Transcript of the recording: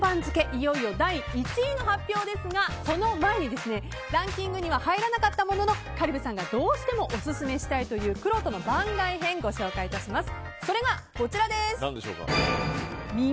いよいよ第１位の発表ですがその前にランキングには入らなかったものの香里武さんがどうしてもオススメしたいというくろうとの番外編をご紹介いたします。